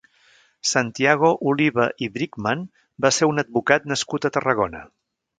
Santiago Oliva i Bridgman va ser un advocat nascut a Tarragona.